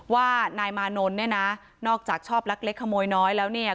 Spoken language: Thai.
ว่านายมานนท์เนี่ยนะนอกจากชอบลักเล็กขโมยน้อยแล้วเนี่ย